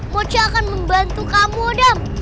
mochi akan membantu kamu dap